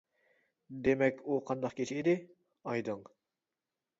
دېمەك، «ئۇ قانداق كېچە ئىدى؟ » -ئايدىڭ.